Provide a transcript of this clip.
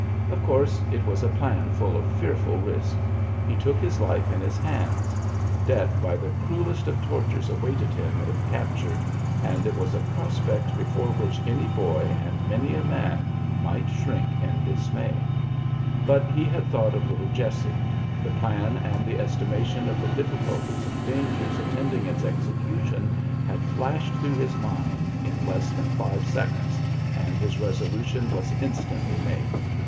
Of course it was a plan full of fearful risk. He took his life in his hands. Death by the cruelest of tortures awaited him if captured, and it was a prospect before which any boy and many a man might shrink in dismay. But he had thought of little Jessie; the plan and the estimation of the difficulties and dangers attending its execution had flashed through his mind in less than five seconds, and his resolution was instantly made.